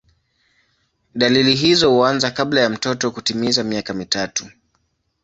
Dalili hizo huanza kabla ya mtoto kutimiza miaka mitatu.